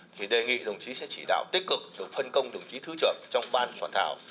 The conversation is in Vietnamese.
thì đề nghị đồng chí sẽ chỉ đạo tích cực được phân công đồng chí thứ trưởng trong ban soạn thảo